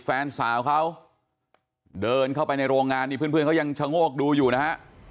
แฟนสาวเขาเดินเข้าไปในโรงงานนี่เพื่อนเขายังชะโงกดูอยู่นะฮะ